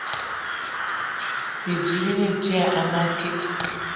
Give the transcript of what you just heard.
Bidi bi ne dia a makit